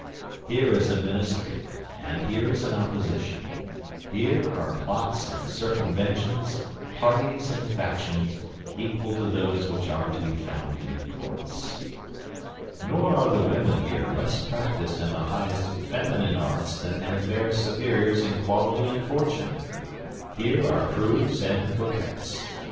Here is a ministry, and here is an opposition. Here are plots and circumventions, parties and factions, equal to those which are to be found in courts. Nor are the women here less practised in the highest feminine arts than their fair superiors in quality and fortune. Here are prudes and coquettes.